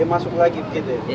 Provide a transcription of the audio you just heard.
masuk lagi begitu ya